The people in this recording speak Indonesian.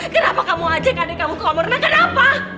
kenapa kamu ajak adik kamu ke kamar kenapa